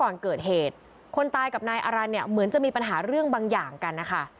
ก่อนเกิดเหตุคนตายกับนายอารันเนี่ยเหมือนจะมีปัญหาเรื่องบางอย่างกันนะคะ